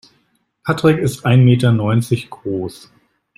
Patrick ist ein Meter neunzig groß.